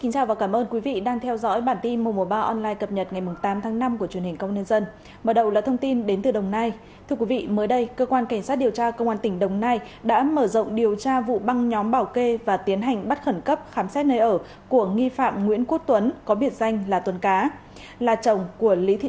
các bạn hãy đăng ký kênh để ủng hộ kênh của chúng mình nhé